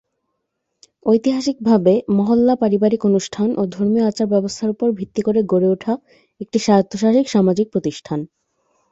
ঐতিহাসিকভাবে, মহল্লা পারিবারিক অনুষ্ঠান ও ধর্মীয় আচার ব্যবস্থার উপর ভিত্তি করে গড়ে উঠা একটি স্বায়ত্তশাসিত সামাজিক প্রতিষ্ঠান।